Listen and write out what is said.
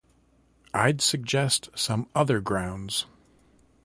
I'd suggest some other grounds.